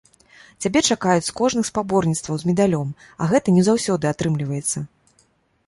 Цябе чакаюць з кожных спаборніцтваў з медалём, а гэта не заўсёды атрымліваецца.